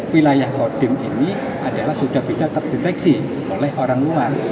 wilayah kodim ini adalah sudah bisa terdeteksi oleh orang luar